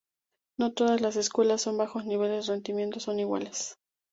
No todas las escuelas con bajos niveles de rendimiento son iguales.